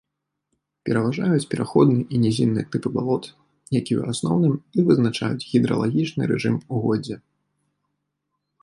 Пераважаюць пераходны і нізінны тыпы балот, якія ў асноўным і вызначаюць гідралагічны рэжым угоддзя.